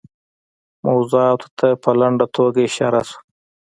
موضوعاتو ته په لنډه توګه اشاره شوه.